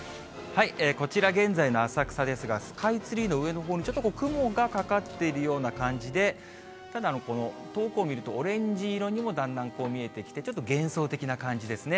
こちら、現在の浅草ですが、スカイツリーの上のほうに、ちょっとこう、雲がかかっているような感じで、ただ、遠くを見ると、オレンジ色にもだんだん見えてきて、ちょっと幻想的な感じですね。